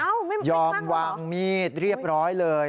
อ้าวไม่ตั้งหรอยอมวางมีดเรียบร้อยเลย